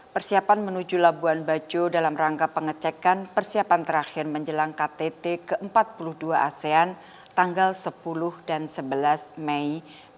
persiapan menuju labuan bajo dalam rangka pengecekan persiapan terakhir menjelang ktt ke empat puluh dua asean tanggal sepuluh dan sebelas mei dua ribu dua puluh